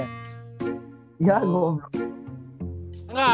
jadi jangan ngucapin ya